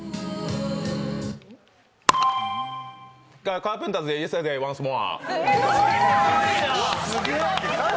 カーペンターズで「イエスタデイ・ワンス・モア」。